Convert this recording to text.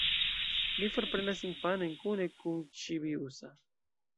Li forprenas infanojn kune kun Ĉibi-usa.